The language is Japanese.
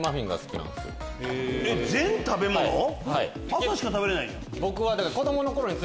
朝しか食べれないじゃん。